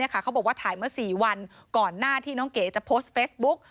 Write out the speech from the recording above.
เขาบอกว่าถ่ายเมื่อ๔วันก่อนหน้าที่น้องเก๋จะโพสต์เฟซบุ๊ก